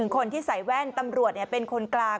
คนที่ใส่แว่นตำรวจเป็นคนกลาง